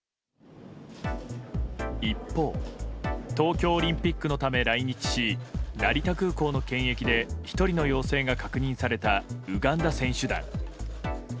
一方、東京オリンピックのため来日し成田空港の検疫で１人の陽性が確認されたウガンダ選手団。